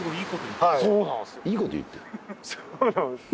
そうなんですよ。